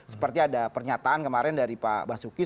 seperti ada pernyataan kemarin dari pak basuki